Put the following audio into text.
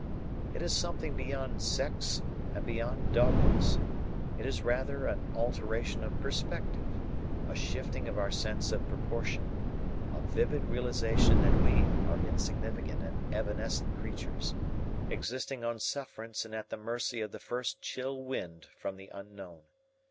It is something beyond sects and beyond dogmas. It is rather an alteration of perspective, a shifting of our sense of proportion, a vivid realization that we are insignificant and evanescent creatures, existing on sufferance and at the mercy of the first chill wind from the unknown.